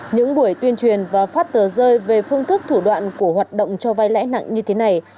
những buổi tuyên truyền và phát tờ rơi về phương thức thủ đoạn của hoạt động cho vai lãi nặng như thế này